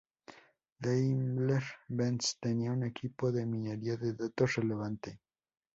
Daimler-Benz tenía un equipo de minería de datos relevante.